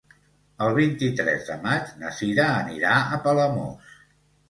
El vint-i-tres de maig na Sira anirà a Palamós.